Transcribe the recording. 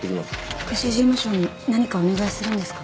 福祉事務所に何かお願いするんですか？